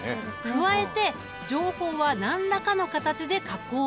加えて情報は何らかの形で加工されている。